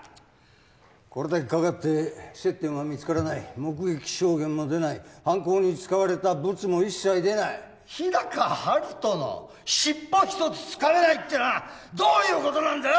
これだけかかって接点は見つからない目撃証言も出ない犯行に使われたブツも一切出ない日高陽斗の尻尾一つつかめないってのはどういうことなんだ！